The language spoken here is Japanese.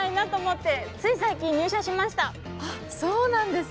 あっそうなんですね！